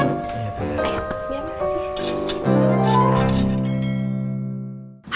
eh biar biar kasih ya